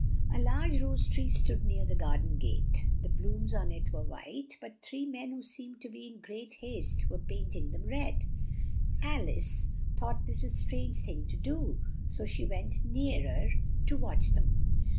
A large rose tree stood near the gar den gate. The blooms on it were white, but three men who seemed to be in great haste were paint ing them red. Al ice thought this a strange thing to do, so she went near er to watch them.